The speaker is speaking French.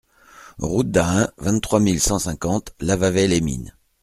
Route d'Ahun, vingt-trois mille cent cinquante Lavaveix-les-Mines